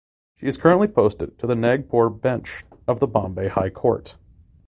She is currently posted to the Nagpur bench of the Bombay High Court.